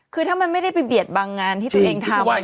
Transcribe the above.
คือถ้ามันไม่ได้ไปเบียดบังงานที่ตัวเองทำ